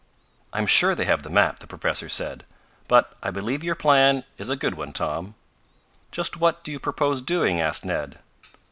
"I'm sure they have the map," the professor said. "But I believe your plan is a good one, Tom." "Just what do you propose doing?" asked Ned.